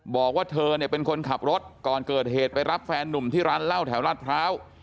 บอกว่าเธอเนี่ยเป็นคนขับรถก่อนเกิดเหตุไปรับแฟนนุ่มที่ร้านเหล้าแถวราชพร้าว